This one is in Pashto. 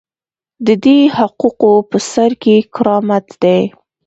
د دې حقوقو په سر کې کرامت دی.